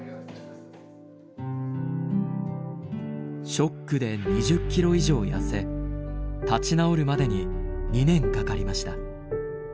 ショックで２０キロ以上痩せ立ち直るまでに２年かかりました。